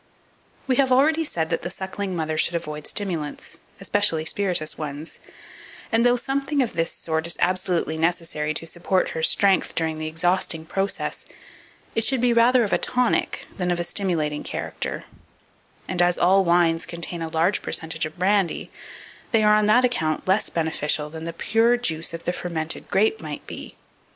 2474. We have already said that the suckling mother should avoid stimulants, especially spirituous ones; and though something of this sort is absolutely necessary to support her strength during the exhausting process, it should be rather of a tonic than of a stimulating character; and as all wines contain a large percentage of brandy, they are on that account less beneficial than the pure juice of the fermented grape might be.